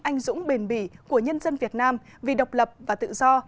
anh dũng bền bỉ của nhân dân việt nam vì độc lập và tự do